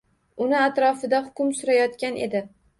Uni atrofda hukm surayotgan edi.